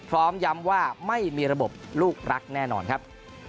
พร้อมย้ำว่าไม่มีระบบลูกรักแน่นอนครับ